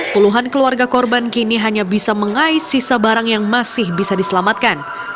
puluhan keluarga korban kini hanya bisa mengais sisa barang yang masih bisa diselamatkan